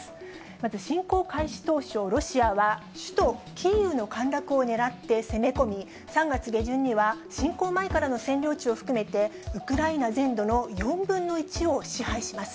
まず侵攻開始当初、ロシアは、首都キーウの陥落をねらって攻め込み、３月下旬には、侵攻前からの占領地を含めて、ウクライナ全土の４分の１を支配します。